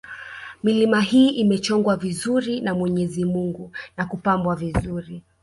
Milima hii imechongwa vizuri na mwenyezi Mungu na kupanbwa vizuri